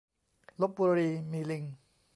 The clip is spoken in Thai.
ลพบุรีมีลิง !